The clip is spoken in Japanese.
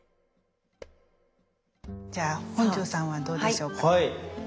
じゃあ本上さんはどうでしょうか？